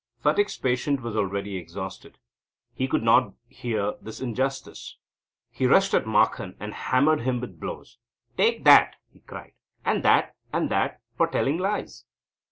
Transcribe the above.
Phatik's patience was already exhausted. He could not hear this injustice. He rushed at Makban, and hammered him with blows: "Take that" he cried, "and that, and that, for telling lies."